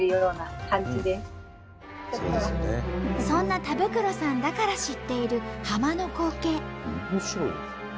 そんな田袋さんだから知っている浜の光景。